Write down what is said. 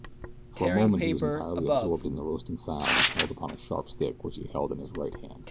For a moment he was entirely absorbed in the roasting fowl impaled upon a sharp stick which he held in his right hand.